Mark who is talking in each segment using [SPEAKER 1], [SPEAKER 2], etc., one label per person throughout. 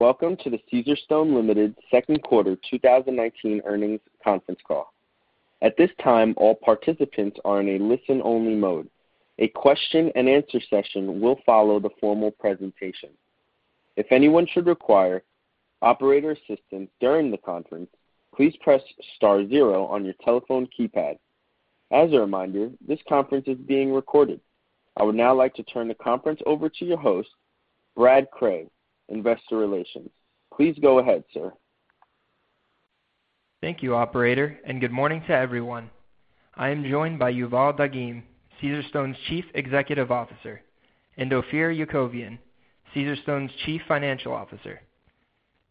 [SPEAKER 1] Welcome to the Caesarstone Ltd. second quarter 2019 earnings conference call. At this time, all participants are in a listen-only mode. A question and answer session will follow the formal presentation. If anyone should require operator assistance during the conference, please press star zero on your telephone keypad. As a reminder, this conference is being recorded. I would now like to turn the conference over to your host, Brad Craig, Investor Relations. Please go ahead, sir.
[SPEAKER 2] Thank you, operator, and good morning to everyone. I am joined by Yuval Dagim, Caesarstone's Chief Executive Officer, and Ophir Yakovian, Caesarstone's Chief Financial Officer.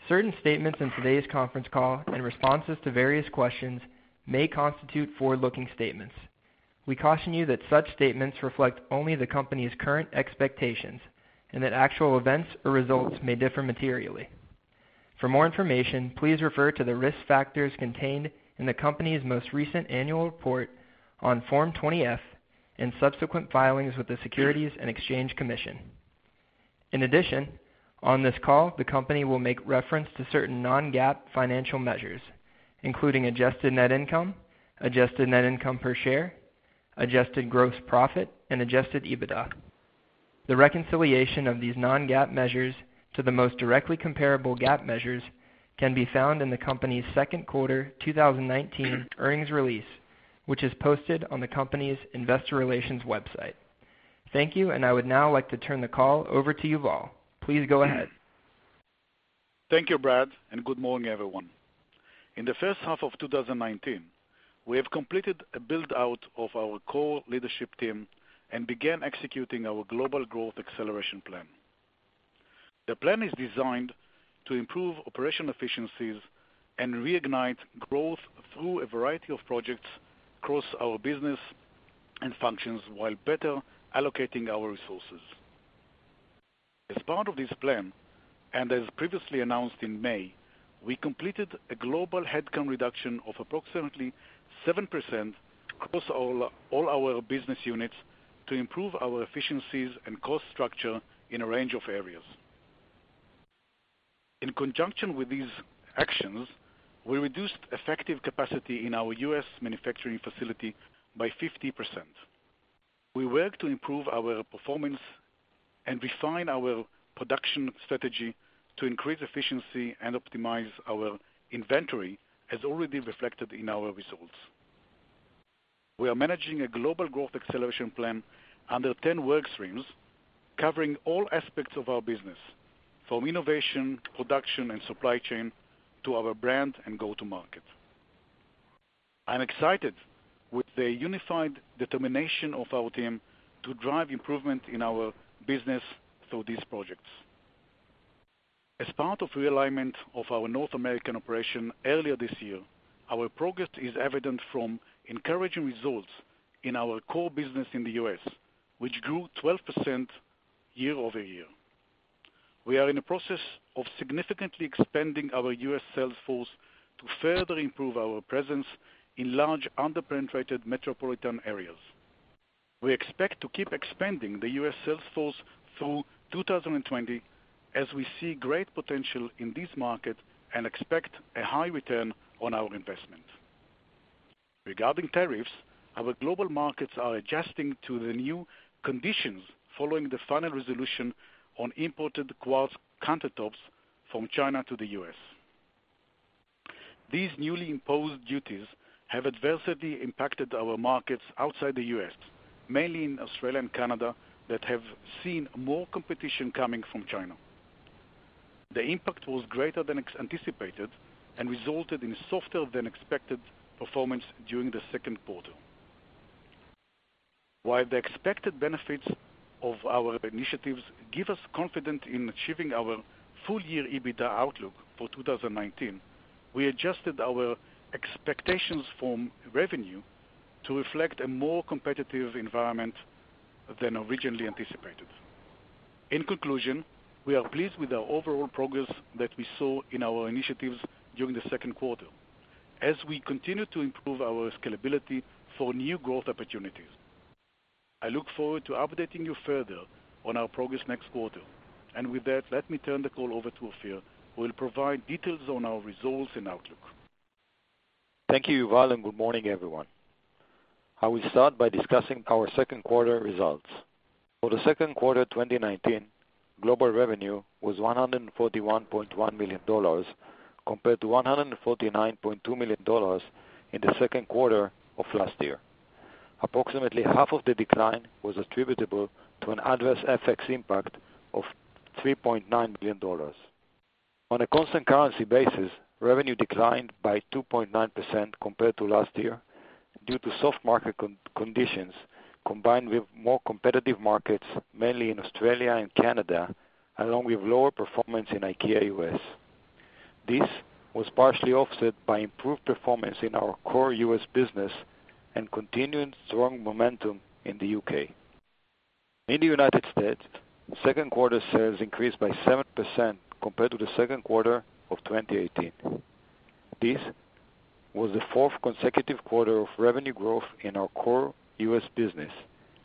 [SPEAKER 2] Certain statements in today's conference call and responses to various questions may constitute forward-looking statements. We caution you that such statements reflect only the company's current expectations and that actual events or results may differ materially. For more information, please refer to the risk factors contained in the company's most recent annual report on Form 20-F and subsequent filings with the Securities and Exchange Commission. In addition, on this call, the company will make reference to certain non-GAAP financial measures, including adjusted net income, adjusted net income per share, adjusted gross profit, and adjusted EBITDA. The reconciliation of these non-GAAP measures to the most directly comparable GAAP measures can be found in the company's second quarter 2019 earnings release, which is posted on the company's investor relations website. Thank you, and I would now like to turn the call over to Yuval. Please go ahead.
[SPEAKER 3] Thank you, Brad. Good morning, everyone. In the first half of 2019, we have completed a build-out of our core leadership team and began executing our Global Growth Acceleration Plan. The plan is designed to improve operation efficiencies and reignite growth through a variety of projects across our business and functions while better allocating our resources. As part of this plan, and as previously announced in May, we completed a global headcount reduction of approximately 7% across all our business units to improve our efficiencies and cost structure in a range of areas. In conjunction with these actions, we reduced effective capacity in our U.S. manufacturing facility by 50%. We work to improve our performance and refine our production strategy to increase efficiency and optimize our inventory, as already reflected in our results. We are managing a Global Growth Acceleration Plan under 10 work streams, covering all aspects of our business, from innovation, production, and supply chain to our brand and go-to market. I'm excited with the unified determination of our team to drive improvement in our business through these projects. As part of realignment of our North American operation earlier this year, our progress is evident from encouraging results in our core business in the U.S., which grew 12% year-over-year. We are in the process of significantly expanding our U.S. sales force to further improve our presence in large under-penetrated metropolitan areas. We expect to keep expanding the U.S. sales force through 2020 as we see great potential in this market and expect a high return on our investment. Regarding tariffs, our global markets are adjusting to the new conditions following the final resolution on imported quartz countertops from China to the U.S. These newly imposed duties have adversely impacted our markets outside the U.S., mainly in Australia and Canada, that have seen more competition coming from China. The impact was greater than anticipated and resulted in softer than expected performance during the second quarter. While the expected benefits of our initiatives give us confidence in achieving our full-year EBITDA outlook for 2019, we adjusted our expectations from revenue to reflect a more competitive environment than originally anticipated. In conclusion, we are pleased with our overall progress that we saw in our initiatives during the second quarter as we continue to improve our scalability for new growth opportunities. I look forward to updating you further on our progress next quarter. With that, let me turn the call over to Ophir, who will provide details on our results and outlook.
[SPEAKER 4] Thank you, Yuval, and good morning, everyone. I will start by discussing our second quarter results. For the second quarter 2019, global revenue was $141.1 million, compared to $149.2 million in the second quarter of last year. Approximately half of the decline was attributable to an adverse FX impact of $3.9 million. On a constant currency basis, revenue declined by 2.9% compared to last year due to soft market conditions, combined with more competitive markets, mainly in Australia and Canada, along with lower performance in IKEA U.S. This was partially offset by improved performance in our core U.S. business and continuing strong momentum in the U.K. In the United States, second quarter sales increased by 7% compared to the second quarter of 2018. This was the fourth consecutive quarter of revenue growth in our core U.S. business,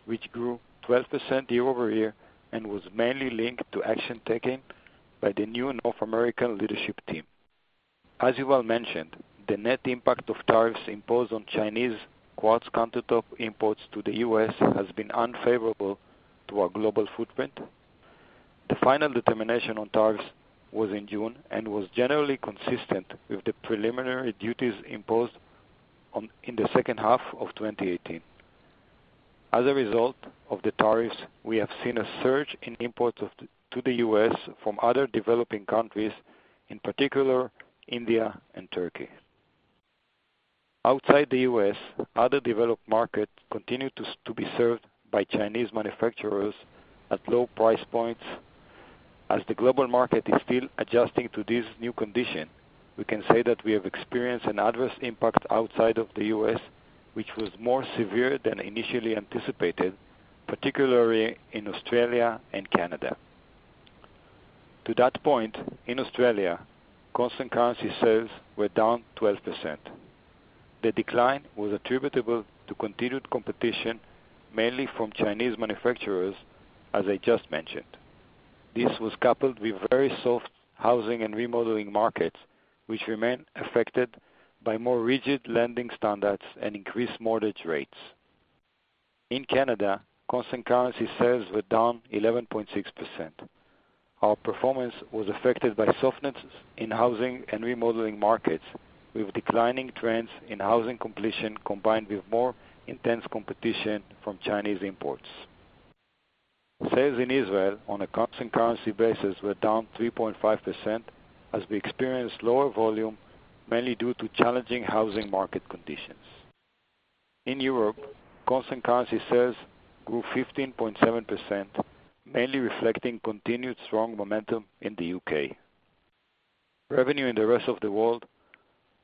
[SPEAKER 4] which grew 12% year-over-year and was mainly linked to action taken by the new North American leadership team. As Yuval mentioned, the net impact of tariffs imposed on Chinese quartz countertop imports to the U.S. has been unfavorable to our global footprint. The final determination on tariffs was in June and was generally consistent with the preliminary duties imposed in the second half of 2018. As a result of the tariffs, we have seen a surge in imports to the U.S. from other developing countries, in particular India and Turkey. Outside the U.S., other developed markets continue to be served by Chinese manufacturers at low price points. As the global market is still adjusting to this new condition, we can say that we have experienced an adverse impact outside of the U.S., which was more severe than initially anticipated, particularly in Australia and Canada. To that point, in Australia, constant currency sales were down 12%. The decline was attributable to continued competition, mainly from Chinese manufacturers, as I just mentioned. This was coupled with very soft housing and remodeling markets, which remain affected by more rigid lending standards and increased mortgage rates. In Canada, constant currency sales were down 11.6%. Our performance was affected by softness in housing and remodeling markets, with declining trends in housing completion, combined with more intense competition from Chinese imports. Sales in Israel on a constant currency basis were down 3.5% as we experienced lower volume, mainly due to challenging housing market conditions. In Europe, constant currency sales grew 15.7%, mainly reflecting continued strong momentum in the U.K. Revenue in the rest of the world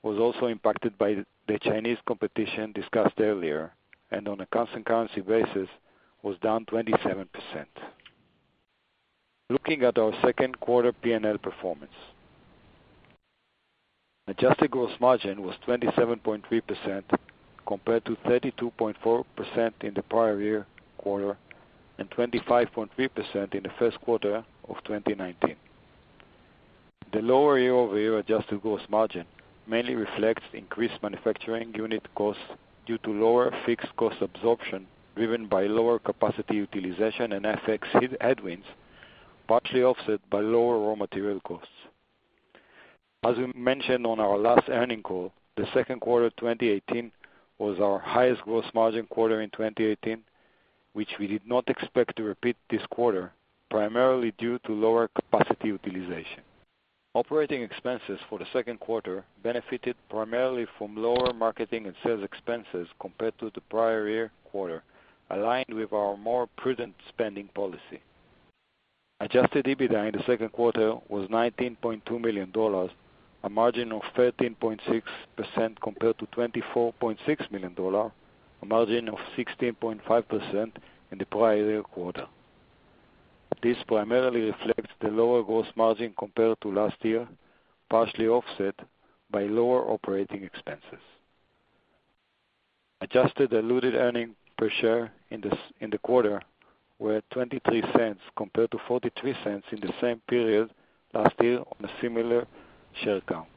[SPEAKER 4] was also impacted by the Chinese competition discussed earlier, and on a constant currency basis, was down 27%. Looking at our second quarter P&L performance. Adjusted gross margin was 27.3%, compared to 32.4% in the prior year quarter and 25.3% in the first quarter of 2019. The lower year-over-year adjusted gross margin mainly reflects increased manufacturing unit costs due to lower fixed cost absorption, driven by lower capacity utilization and FX headwinds, partially offset by lower raw material costs. As we mentioned on our last earning call, the second quarter 2018 was our highest gross margin quarter in 2018, which we did not expect to repeat this quarter, primarily due to lower capacity utilization. Operating expenses for the second quarter benefited primarily from lower marketing and sales expenses compared to the prior year quarter, aligned with our more prudent spending policy. Adjusted EBITDA in the second quarter was $19.2 million, a margin of 13.6%, compared to $24.6 million, a margin of 16.5% in the prior year quarter. This primarily reflects the lower gross margin compared to last year, partially offset by lower operating expenses. Adjusted diluted earnings per share in the quarter were $0.23, compared to $0.43 in the same period last year on a similar share count.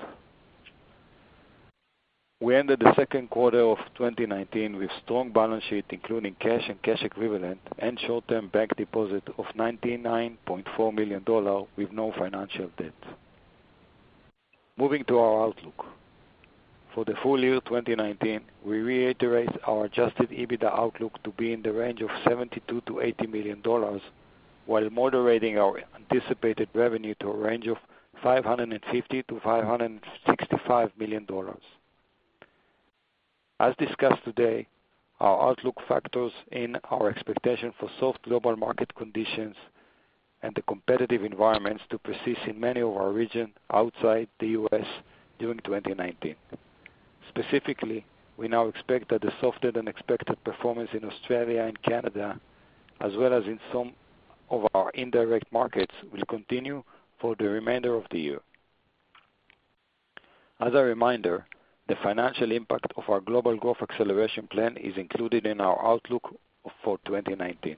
[SPEAKER 4] We ended the second quarter of 2019 with strong balance sheet, including cash and cash equivalents and short-term bank deposit of $99.4 million, with no financial debt. Moving to our outlook. For the full year 2019, we reiterate our adjusted EBITDA outlook to be in the range of $72 million-$80 million, while moderating our anticipated revenue to a range of $550 million-$565 million. As discussed today, our outlook factors in our expectation for soft global market conditions and the competitive environments to persist in many of our region outside the U.S. during 2019. Specifically, we now expect that the softer-than-expected performance in Australia and Canada, as well as in some of our indirect markets, will continue for the remainder of the year. As a reminder, the financial impact of our Global Growth Acceleration Plan is included in our outlook for 2019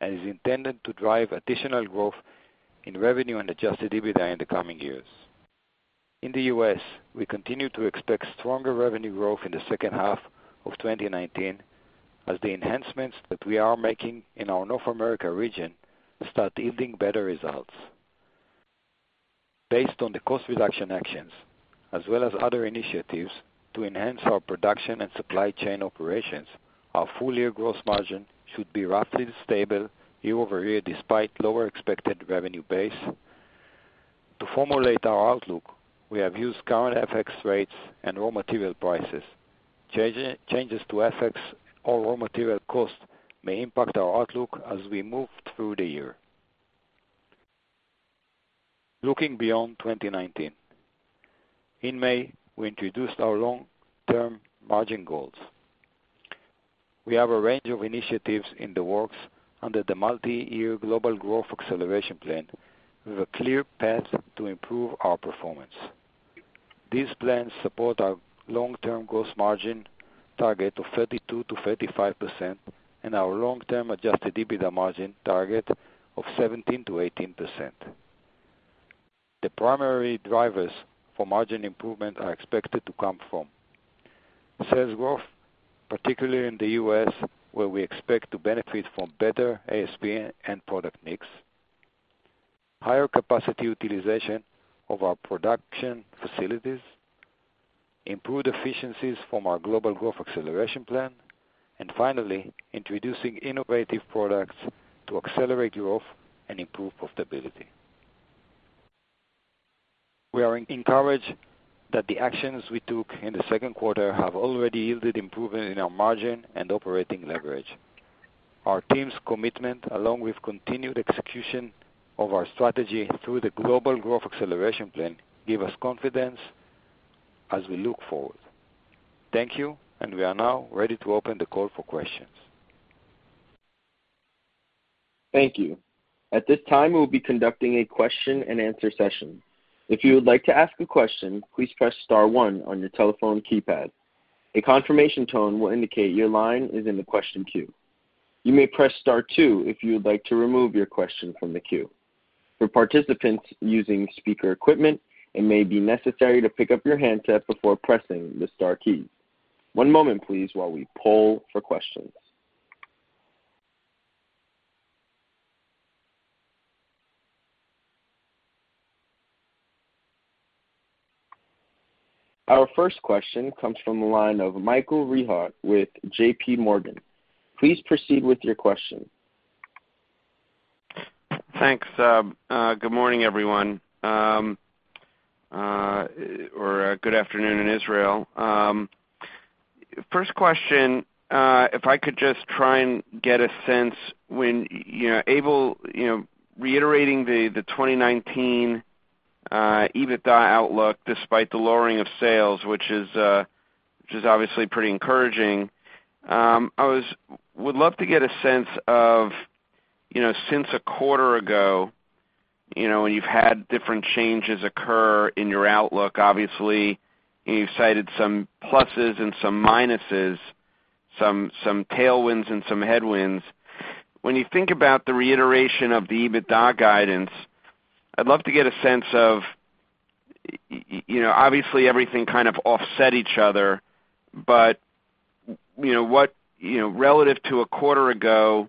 [SPEAKER 4] and is intended to drive additional growth in revenue and adjusted EBITDA in the coming years. In the U.S., we continue to expect stronger revenue growth in the second half of 2019 as the enhancements that we are making in our North America region start yielding better results. Based on the cost reduction actions as well as other initiatives to enhance our production and supply chain operations, our full-year gross margin should be roughly stable year-over-year, despite lower expected revenue base. To formulate our outlook, we have used current FX rates and raw material prices. Changes to FX or raw material cost may impact our outlook as we move through the year. Looking beyond 2019. In May, we introduced our long-term margin goals. We have a range of initiatives in the works under the multi-year Global Growth Acceleration Plan, with a clear path to improve our performance. These plans support our long-term gross margin target of 32%-35% and our long-term adjusted EBITDA margin target of 17%-18%. The primary drivers for margin improvement are expected to come from sales growth, particularly in the U.S., where we expect to benefit from better ASP and product mix, higher capacity utilization of our production facilities, improved efficiencies from our Global Growth Acceleration Plan, and finally, introducing innovative products to accelerate growth and improve profitability. We are encouraged that the actions we took in the second quarter have already yielded improvement in our margin and operating leverage. Our team's commitment, along with continued execution of our strategy through the Global Growth Acceleration Plan, give us confidence as we look forward. Thank you, and we are now ready to open the call for questions.
[SPEAKER 1] Thank you. At this time, we'll be conducting a question and answer session. If you would like to ask a question, please press star one on your telephone keypad. A confirmation tone will indicate your line is in the question queue. You may press star two if you would like to remove your question from the queue. For participants using speaker equipment, it may be necessary to pick up your handset before pressing the star key. One moment, please, while we poll for questions. Our first question comes from the line of Michael Rehaut with J.P. Morgan. Please proceed with your question.
[SPEAKER 5] Thanks. Good morning, everyone, or good afternoon in Israel. First question, if I could just try and get a sense, when able, reiterating the 2019 EBITDA outlook despite the lowering of sales, which is obviously pretty encouraging. I would love to get a sense of, since a quarter ago, when you've had different changes occur in your outlook. Obviously, you've cited some pluses and some minuses, some tailwinds and some headwinds. When you think about the reiteration of the EBITDA guidance, I'd love to get a sense of, obviously, everything kind of offset each other, but relative to a quarter ago,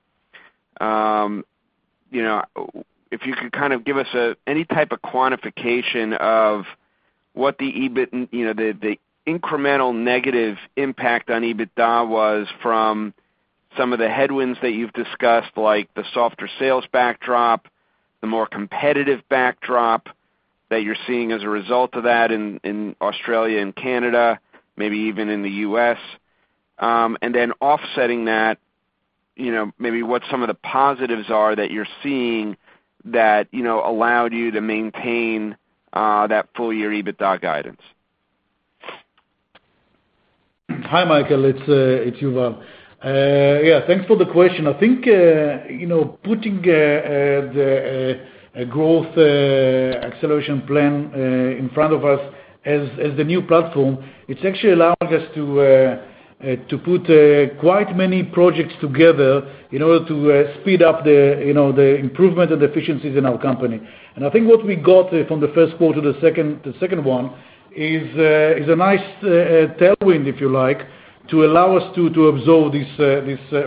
[SPEAKER 5] if you could kind of give us any type of quantification of what the incremental negative impact on EBITDA was from some of the headwinds that you've discussed, like the softer sales backdrop, the more competitive backdrop that you're seeing as a result of that in Australia and Canada, maybe even in the U.S. Then offsetting that, maybe what some of the positives are that you're seeing that allowed you to maintain that full-year EBITDA guidance.
[SPEAKER 3] Hi, Michael. It's Yuval. Yeah, thanks for the question. I think, putting the Global Growth Acceleration Plan in front of us as the new platform, it's actually allowed us to put quite many projects together in order to speed up the improvement and efficiencies in our company. I think what we got from the first quarter to the second one is a nice tailwind, if you like, to allow us to absorb this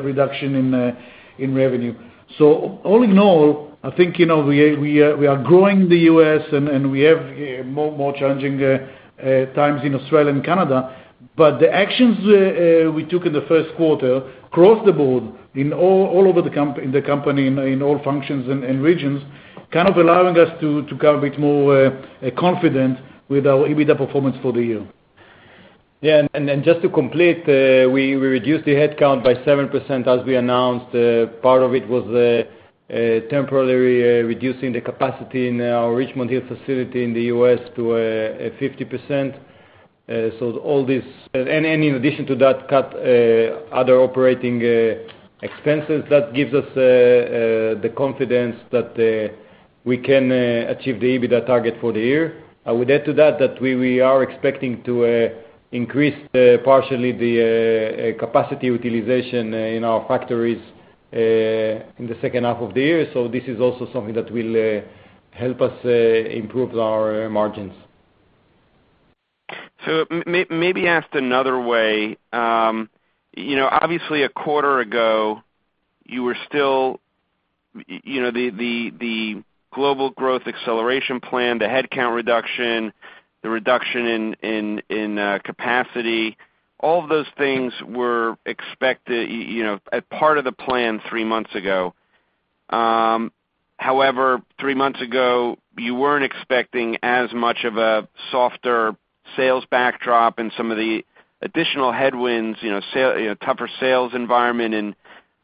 [SPEAKER 3] reduction in revenue. All in all, I think, we are growing the U.S., and we have more challenging times in Australia and Canada. The actions we took in the first quarter, across the board, in all over the company, in all functions and regions, kind of allowing us to become a bit more confident with our EBITDA performance for the year.
[SPEAKER 4] Yeah, then just to complete, we reduced the headcount by 7%, as we announced. Part of it was temporarily reducing the capacity in our Richmond Hill facility in the U.S. to 50%. In addition to that cut, other operating expenses, that gives us the confidence that we can achieve the EBITDA target for the year. I would add to that we are expecting to increase partially the capacity utilization in our factories in the second half of the year. This is also something that will help us improve our margins.
[SPEAKER 5] Maybe asked another way. Obviously, a quarter ago, the Global Growth Acceleration Plan, the headcount reduction, the reduction in capacity, all of those things were expected as part of the plan three months ago. However, three months ago, you weren't expecting as much of a softer sales backdrop and some of the additional headwinds, tougher sales environment in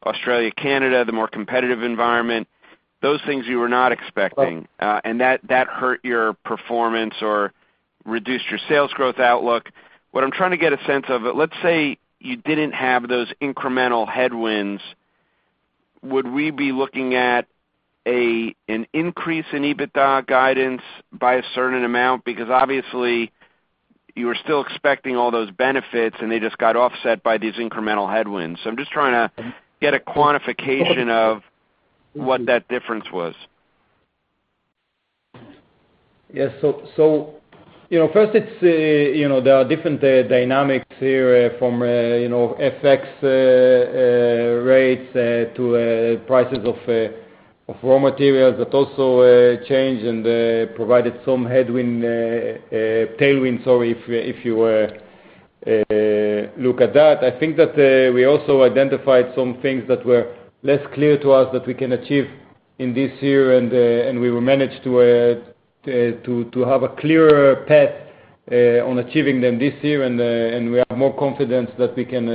[SPEAKER 5] Australia, Canada, the more competitive environment, those things you were not expecting.
[SPEAKER 4] Right.
[SPEAKER 5] That hurt your performance or reduced your sales growth outlook. What I'm trying to get a sense of, let's say you didn't have those incremental headwinds, would we be looking at an increase in EBITDA guidance by a certain amount? Obviously you were still expecting all those benefits, and they just got offset by these incremental headwinds. I'm just trying to get a quantification of what that difference was.
[SPEAKER 4] Yes. First, there are different dynamics here from FX rates to prices of raw materials that also changed and provided some tailwind, if you look at that. I think that we also identified some things that were less clear to us that we can achieve in this year. We will manage to have a clearer path on achieving them this year. We have more confidence that we can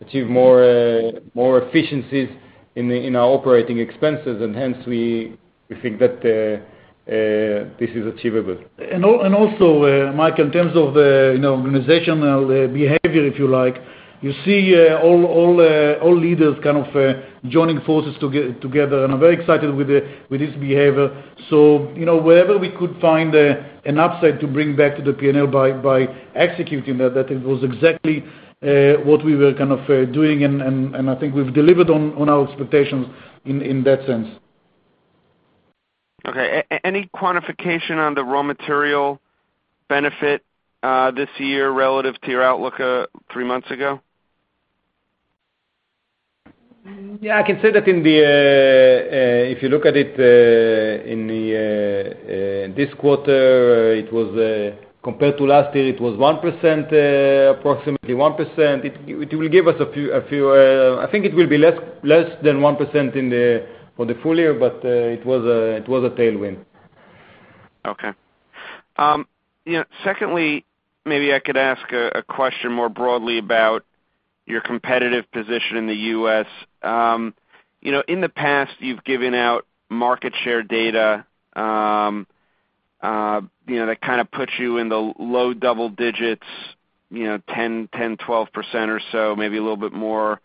[SPEAKER 4] achieve more efficiencies in our operating expenses, and hence, we think that this is achievable.
[SPEAKER 3] Also, Mike, in terms of the organizational behavior, if you like, you see all leaders kind of joining forces together, and I'm very excited with this behavior. Wherever we could find an upside to bring back to the P&L by executing that, it was exactly what we were kind of doing, and I think we've delivered on our expectations in that sense.
[SPEAKER 5] Okay. Any quantification on the raw material benefit this year relative to your outlook three months ago?
[SPEAKER 4] Yeah, I can say that if you look at it in this quarter, compared to last year, it was approximately 1%. I think it will be less than 1% for the full year, but it was a tailwind.
[SPEAKER 5] Okay. Secondly, maybe I could ask a question more broadly about your competitive position in the U.S. In the past, you've given out market share data that kind of puts you in the low double digits, 10%, 12% or so, maybe a little bit more,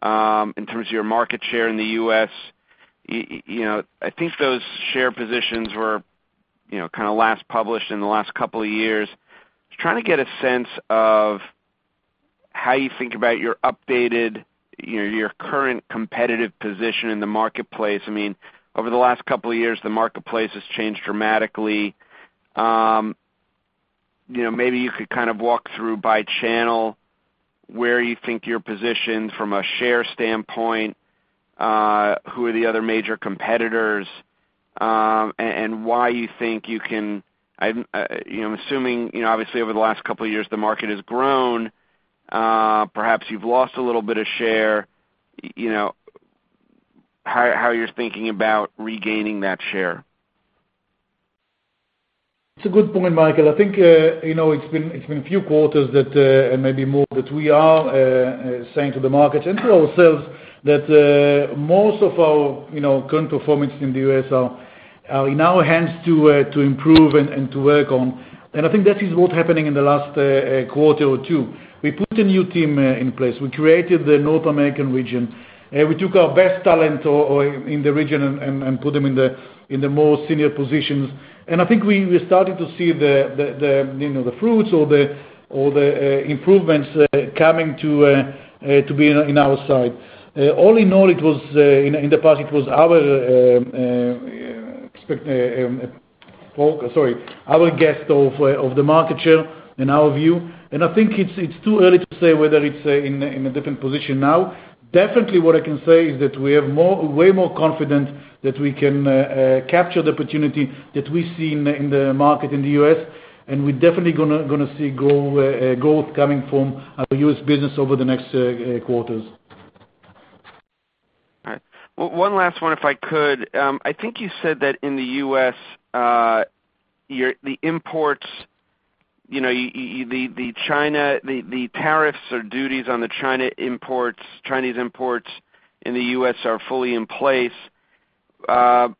[SPEAKER 5] in terms of your market share in the U.S. I think those share positions were kind of last published in the last couple of years. Just trying to get a sense of how you think about your updated, your current competitive position in the marketplace. Over the last couple of years, the marketplace has changed dramatically. Maybe you could kind of walk through by channel where you think you're positioned from a share standpoint, who are the other major competitors, and why you think you can, I'm assuming, obviously, over the last couple of years, the market has grown. Perhaps you've lost a little bit of share, how you're thinking about regaining that share.
[SPEAKER 3] It's a good point, Michael. I think it's been a few quarters, and maybe more, that we are saying to the market and to ourselves that most of our current performance in the U.S. are in our hands to improve and to work on. I think that is what's happening in the last quarter or two. We put a new team in place. We created the North American region. We took our best talent in the region and put them in the more senior positions. I think we started to see the fruits or the improvements coming to be in our side. All in all, in the past, it was our guess of the market share and our view, and I think it's too early to say whether it's in a different position now. Definitely what I can say is that we are way more confident that we can capture the opportunity that we see in the market in the U.S., and we're definitely going to see growth coming from our U.S. business over the next quarters.
[SPEAKER 5] All right. One last one, if I could. I think you said that in the U.S., the tariffs or duties on the Chinese imports in the U.S. are fully in place. Did I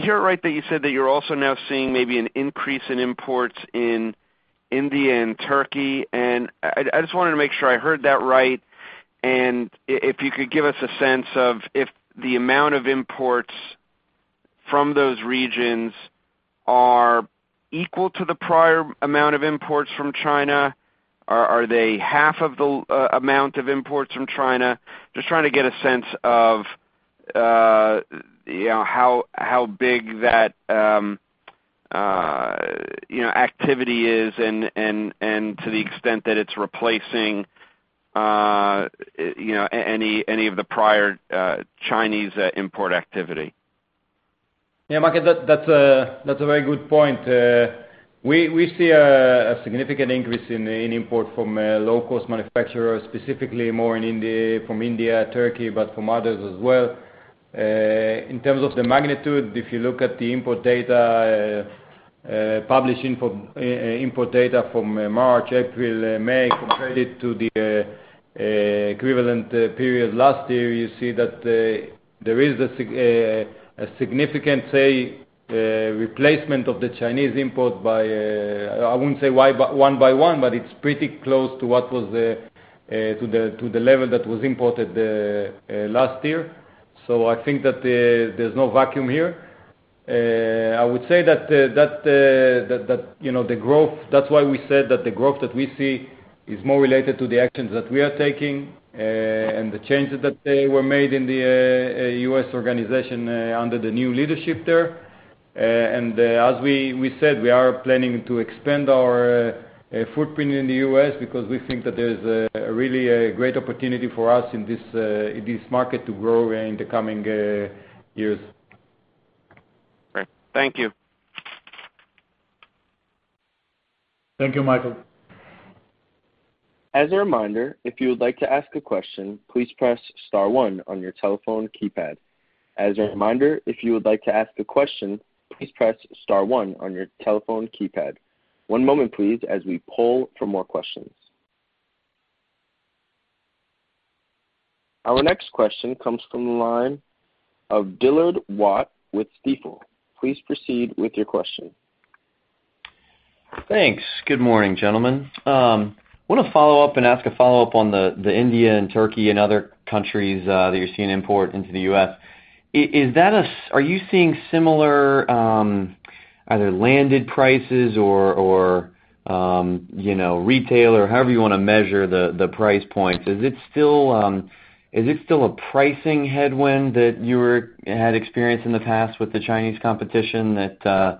[SPEAKER 5] hear it right that you said that you're also now seeing maybe an increase in imports in India and Turkey? I just wanted to make sure I heard that right, and if you could give us a sense of if the amount of imports from those regions are equal to the prior amount of imports from China? Are they half of the amount of imports from China? Just trying to get a sense of how big that activity is and to the extent that it's replacing any of the prior Chinese import activity.
[SPEAKER 4] Yeah, Michael, that's a very good point. We see a significant increase in import from low-cost manufacturers, specifically more from India, Turkey, but from others as well. In terms of the magnitude, if you look at the import data, publishing import data from March, April, May, compared it to the equivalent period last year, you see that there is a significant replacement of the Chinese import by, I wouldn't say one by one, but it's pretty close to the level that was imported last year. I think that there's no vacuum here. I would say that's why we said that the growth that we see is more related to the actions that we are taking and the changes that were made in the U.S. organization under the new leadership there. As we said, we are planning to expand our footprint in the U.S. because we think that there's really a great opportunity for us in this market to grow in the coming years.
[SPEAKER 5] Great. Thank you.
[SPEAKER 3] Thank you, Michael.
[SPEAKER 1] As a reminder, if you would like to ask a question, please press *1 on your telephone keypad. As a reminder, if you would like to ask a question, please press *1 on your telephone keypad. One moment please as we poll for more questions. Our next question comes from the line of Dillard Watt with Stifel. Please proceed with your question.
[SPEAKER 6] Thanks. Good morning, gentlemen. I want to follow up and ask a follow-up on the India, and Turkey, and other countries that you're seeing import into the U.S. Are you seeing similar, either landed prices or retail, or however you want to measure the price points? Is it still a pricing headwind that you had experienced in the past with the Chinese competition that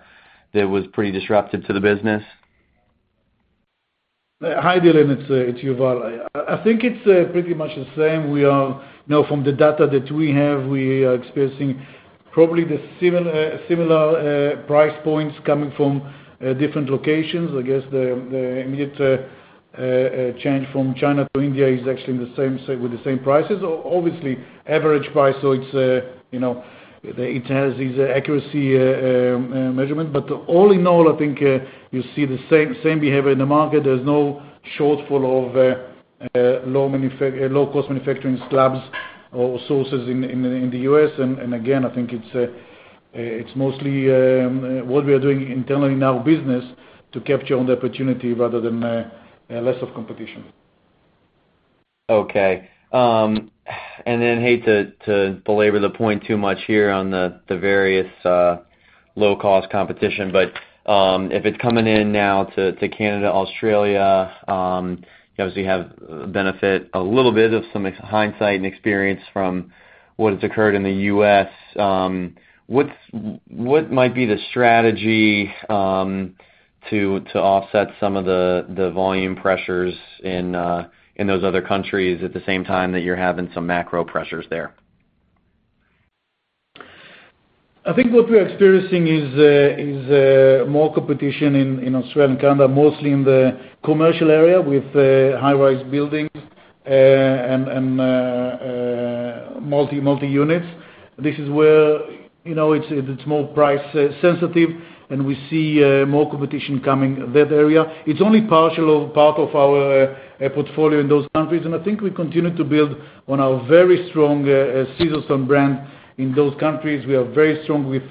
[SPEAKER 6] was pretty disruptive to the business?
[SPEAKER 3] Hi, Dillard, it's Yuval. I think it's pretty much the same. From the data that we have, we are experiencing probably the similar price points coming from different locations. I guess the immediate change from China to India is actually with the same prices. Obviously, average price, so it has its accuracy measurement. All in all, I think you see the same behavior in the market. There's no shortfall of low cost manufacturing slabs or sources in the U.S. Again, I think it's mostly what we are doing internally in our business to capture on the opportunity, rather than less of competition.
[SPEAKER 6] Okay. Hate to belabor the point too much here on the various low-cost competition, but if it's coming in now to Canada, Australia, you obviously have benefit a little bit of some hindsight and experience from what has occurred in the U.S. What might be the strategy to offset some of the volume pressures in those other countries at the same time that you're having some macro pressures there?
[SPEAKER 3] I think what we're experiencing is more competition in Australia and Canada, mostly in the commercial area with high-rise buildings and multi-units. This is where it's more price sensitive, and we see more competition coming that area. It's only partial of part of our portfolio in those countries, and I think we continue to build on our very strong Caesarstone brand in those countries. We are very strong with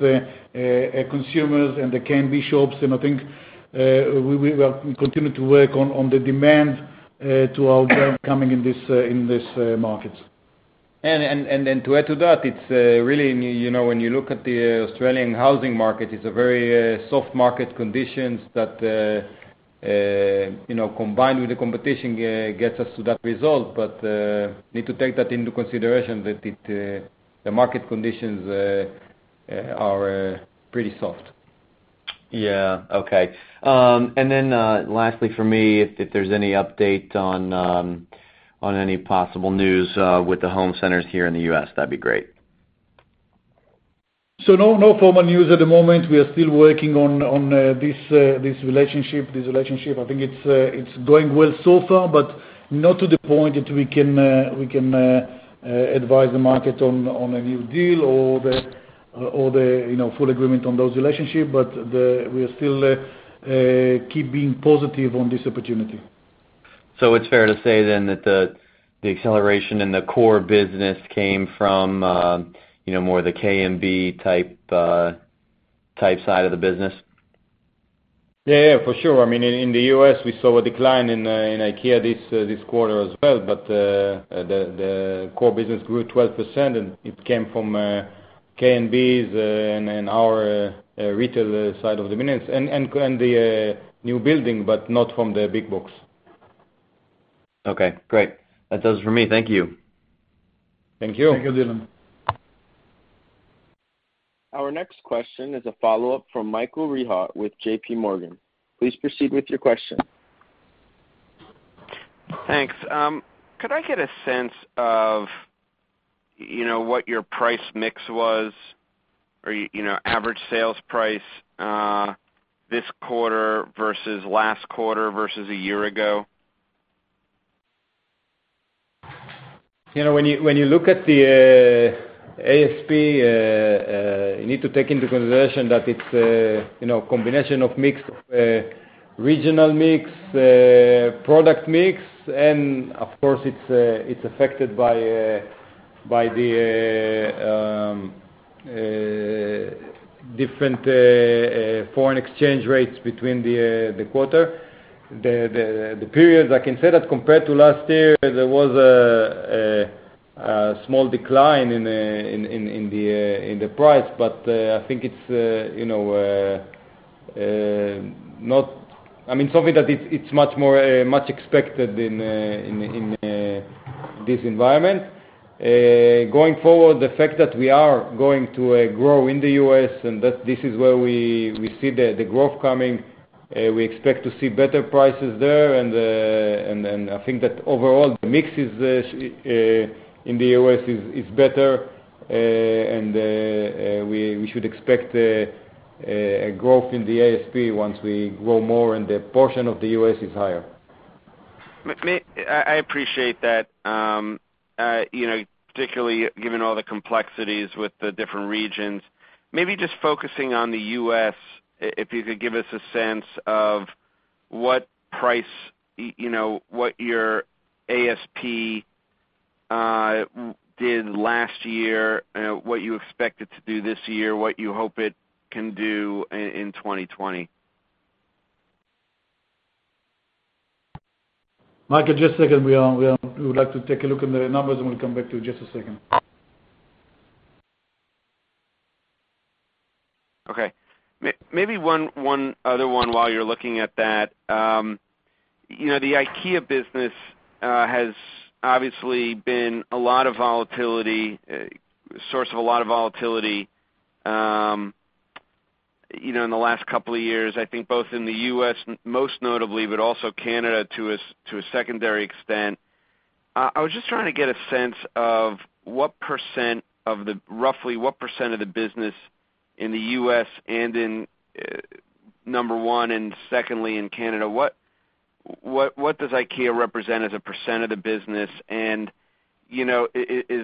[SPEAKER 3] consumers and the K&B shops, and I think we will continue to work on the demand to our brand coming in these markets.
[SPEAKER 4] To add to that, when you look at the Australian housing market, it's a very soft market conditions that, combined with the competition, gets us to that result. Need to take that into consideration that the market conditions are pretty soft.
[SPEAKER 6] Yeah. Okay. Lastly for me, if there's any update on any possible news with the home centers here in the U.S., that'd be great.
[SPEAKER 3] No formal news at the moment. We are still working on this relationship. I think it's going well so far, but not to the point that we can advise the market on a new deal or the full agreement on those relationship. We are still keeping positive on this opportunity.
[SPEAKER 6] It's fair to say then that the acceleration in the core business came from more the K&B type side of the business?
[SPEAKER 4] Yeah, for sure. In the U.S., we saw a decline in IKEA this quarter as well, but the core business grew 12%, and it came from K&Bs and our retail side of the business, and the new building, but not from the big box.
[SPEAKER 6] Okay, great. That does it for me. Thank you.
[SPEAKER 4] Thank you.
[SPEAKER 3] Thank you, Dillard.
[SPEAKER 1] Our next question is a follow-up from Michael Rehaut with J.P. Morgan. Please proceed with your question.
[SPEAKER 5] Thanks. Could I get a sense of what your price mix was or average sales price this quarter versus last quarter versus a year ago?
[SPEAKER 4] When you look at the ASP, you need to take into consideration that it's a combination of regional mix, product mix, and of course it's affected by the different foreign exchange rates between the quarter. The periods I can say that compared to last year, there was a small decline in the price, but I think it's something that it's much expected in this environment. Going forward, the fact that we are going to grow in the U.S. and that this is where we see the growth coming, we expect to see better prices there. I think that overall the mix in the U.S. is better, and we should expect a growth in the ASP once we grow more and the portion of the U.S. is higher.
[SPEAKER 5] I appreciate that. Particularly given all the complexities with the different regions. Maybe just focusing on the U.S., if you could give us a sense of what your ASP did last year, what you expect it to do this year, what you hope it can do in 2020.
[SPEAKER 3] Michael, just a second. We would like to take a look at the numbers, and we'll come back to you. Just a second.
[SPEAKER 5] Okay. Maybe one other one while you're looking at that. The IKEA business has obviously been a source of a lot of volatility, in the last couple of years. I think both in the U.S. most notably, but also Canada to a secondary extent. I was just trying to get a sense of roughly what % of the business in the U.S. and in, number 1, and secondly, in Canada, what does IKEA represent as a % of the business? Is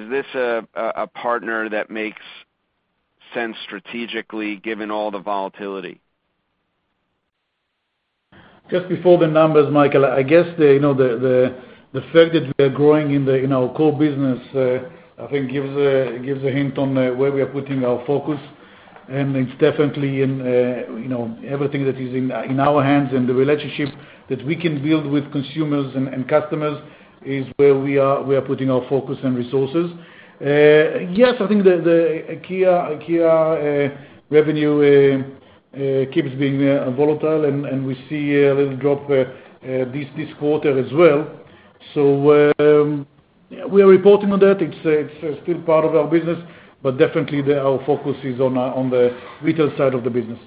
[SPEAKER 5] this a partner that makes sense strategically given all the volatility?
[SPEAKER 3] Just before the numbers, Michael, I guess the fact that we are growing in our core business, I think gives a hint on where we are putting our focus. It's definitely in everything that is in our hands, and the relationship that we can build with consumers and customers is where we are putting our focus and resources. Yes, I think the IKEA revenue keeps being volatile, and we see a little drop this quarter as well. We are reporting on that. It's still part of our business, but definitely our focus is on the retail side of the business.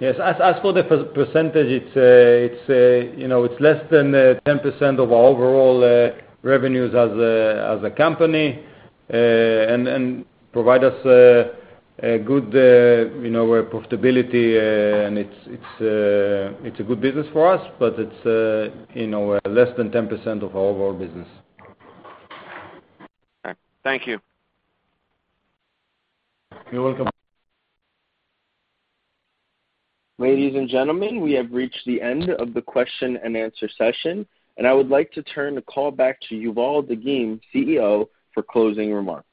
[SPEAKER 4] Yes. As for the percentage, it's less than 10% of our overall revenues as a company, and provide us a good profitability, and it's a good business for us, but it's less than 10% of our overall business.
[SPEAKER 5] All right. Thank you.
[SPEAKER 3] You're welcome.
[SPEAKER 1] Ladies and gentlemen, we have reached the end of the question and answer session. I would like to turn the call back to Yuval Dagim, CEO, for closing remarks.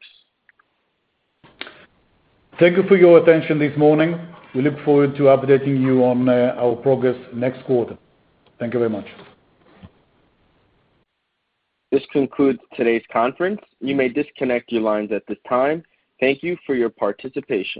[SPEAKER 3] Thank you for your attention this morning. We look forward to updating you on our progress next quarter. Thank you very much.
[SPEAKER 1] This concludes today's conference. You may disconnect your lines at this time. Thank you for your participation.